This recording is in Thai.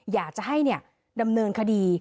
อยากจะให้ดำเนินคดี